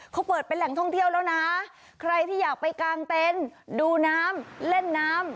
เขาเปิดเป็นแหล่งท่องเที่ยวแล้วนะใครที่อยากไปกางเต็นต์ดูน้ำเล่นน้ำ